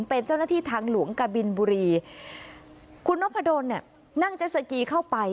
เป็นเจ้าหน้าที่ทางหลวงกะบินบุรีคุณนพดลเนี่ยนั่งเจ็ดสกีเข้าไป